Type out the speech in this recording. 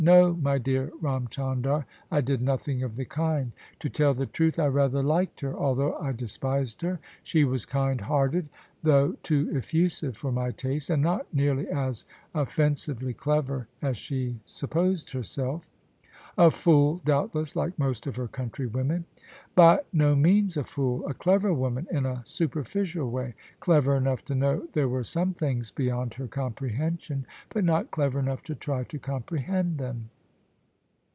" No, my dear Ram Chandar, I did nothing of the kind. To tell the truth I rather liked her, although I despised her: she was kind hearted, though THE SUBJECTION too effusive for my taste; and not nearly as offensively clever as she supposed herself." " A fool, doubtless, like most of her country women !" "By no means a fool: a clever woman in a superficial way. Clever enough to know there were some things be yond her comprehension; but not clever enough to try to comprehend them."